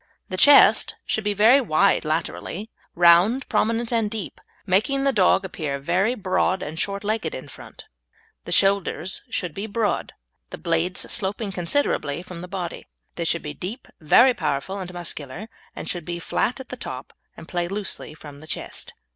The chest should be very wide laterally, round, prominent, and deep, making the dog appear very broad and short legged in front. The shoulders should be broad, the blades sloping considerably from the body; they should be deep, very powerful, and muscular, and should be flat at the top and play loosely from the chest.